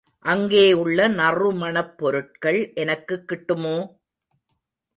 அங்கே உள்ள நறுமணப் பொருட்கள் எனக்குக் கிட்டுமோ?